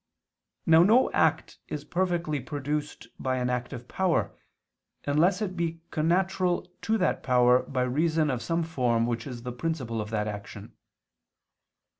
Now no act is perfectly produced by an active power, unless it be connatural to that power by reason of some form which is the principle of that action.